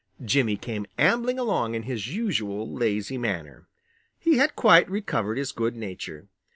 Jimmy came ambling along in his usual lazy manner. He had quite recovered his good nature.